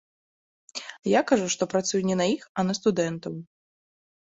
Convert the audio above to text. Я кажу, што працую не на іх, а на студэнтаў.